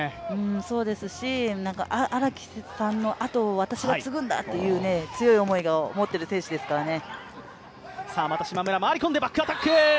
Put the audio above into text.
そうですし、荒木さんのあとを私が継ぐんだという強い思いを持っている選手ですからね。